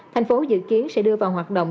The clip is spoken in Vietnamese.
thành phố dự kiến sẽ đưa vào hoạt động